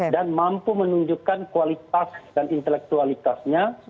dan mampu menunjukkan kualitas dan intelektualitasnya